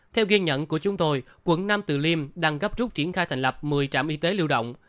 theo ghi nhận của chúng tôi quận năm từ liêm đang gấp rút triển khai thành lập một mươi trạm y tế lưu động